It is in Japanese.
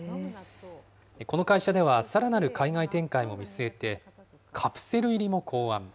この会社では、さらなる海外展開も見据えて、カプセル入りも考案。